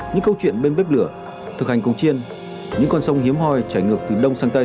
những câu chuyện bên bếp lửa thực hành cùng chiên những con sông hiếm hoi trải ngược từ đông sang tây